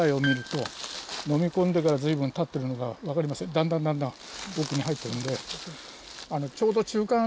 だんだんだんだん奥に入ってるんで。